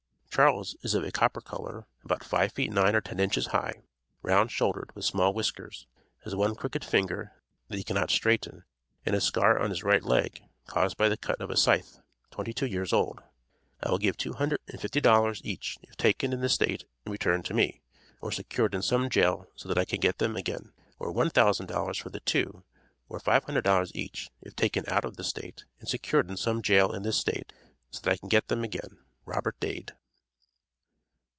Charles is of a copper color, about 5 feet 9 or 10 inches high; round shouldered, with small whiskers; has one crooked finger that he cannot straighten, and a scar on his right leg, caused by the cut of a scythe; 22 years old. I will give two hundred and fifty dollars each, if taken in the State and returned to me, or secured in some jail so that I can get them again, or a $1,000 for the two, or $500 each, if taken out of the State, and secured in some jail in this State so that I can get them again. ROBERT DADE.